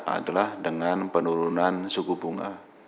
adalah dengan penurunan suku bunga